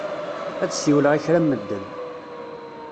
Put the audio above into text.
Ad siwleɣ i kra n medden.